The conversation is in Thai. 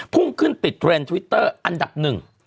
พุ่งขึ้นติดเทรนด์ทวิตเตอร์อันดับหนึ่ง